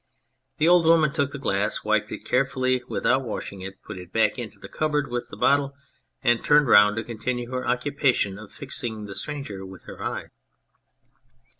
The old woman took the glass, wiped it carefully without washing it, put it back into the cupboard with the bottle, and turned round to continue her occupation of fixing the stranger with her eye.